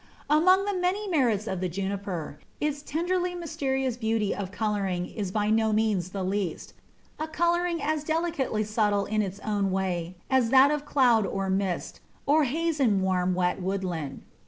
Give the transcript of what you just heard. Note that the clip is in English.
Among the many merits of the Juniper, its tenderly mysterious beauty of colouring is by no means the least; a colouring as delicately subtle in its own way as that of cloud or mist, or haze in warm, wet woodland.